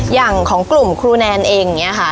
อย่างของกลุ่มครูแนนเองอย่างนี้ค่ะ